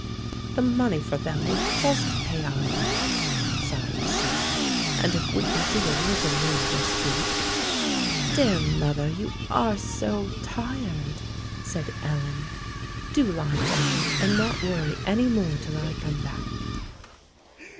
"The money for them will just pay our rent," sighed she; "and if we can do a little more this week " "Dear mother, you are so tired," said Ellen; "do lie down, and not worry any more till I come back."